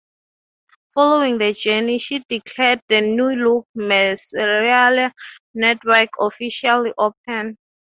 Following the journey, she declared the new-look Merseyrail network officially open.